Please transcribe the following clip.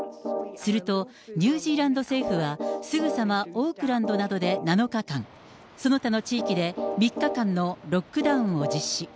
すると、ニュージーランド政府は、すぐさまオークランドなどで７日間、その他の地域で３日間のロックダウンを実施。